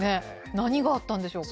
何があったんでしょうか。